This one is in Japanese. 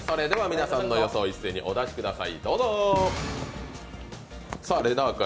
皆さんの予想を一斉にお出しください。